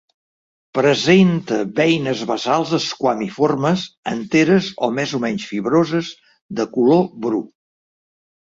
Presenta beines basals esquamiformes, enteres o més o menys fibroses, de color bru.